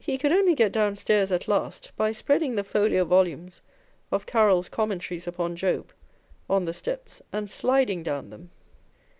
could only get downstairs at last by spreading the folio volumes of Caryl's Commentaries upon Job on the steps and sliding down them.